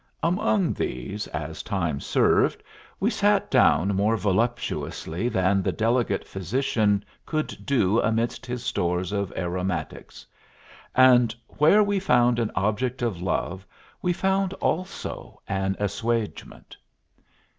Among these, as time served, we sat down more voluptuously than the delicate physician could do amidst his stores of aromatics, and where we found an object of love we found also an assuagement."